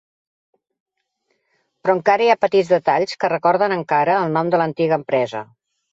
Però encara hi ha petits detalls que recorden encara el nom de l'antiga empresa.